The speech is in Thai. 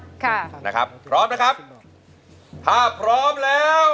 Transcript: ค่ะนะครับพร้อมนะครับถ้าพร้อมแล้ว